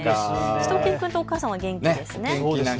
しゅと犬くんとお母さんは元気ですね。